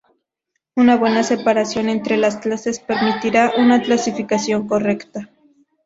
Una buena separación entre las clases permitirá una clasificación correcta.